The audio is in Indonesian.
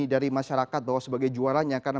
dari masyarakat bahwa sebagai juaranya karena